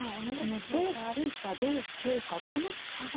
この同桂か同香かこの差は。